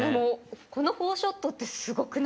このフォーショットってすごくないですか？